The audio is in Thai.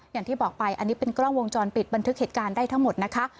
อย่างที่บอกไปอันนี้เป็นกล้องวงจรปิดบันทึกเหตุการณ์ได้ทั้งหมดนะคะ